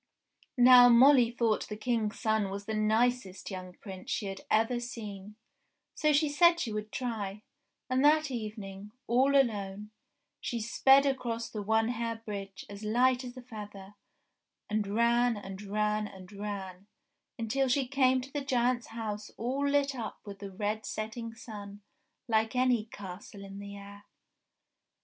Now Molly thought the King's son was the nicest young prince she had ever seen, so she said she would try, and that evening, all alone, she sped across the One Hair Bridge as light as a feather, and ran, and ran, and ran, until she came to the giant's house all lit up with the red setting sun like any castle in the air.